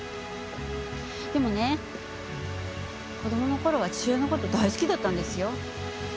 でもね子供の頃は父親の事大好きだったんですよ。